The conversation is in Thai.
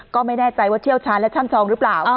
ก็ไม่แน่ใจว่าเชี่ยวชาญและช่ำซองหรือเปล่า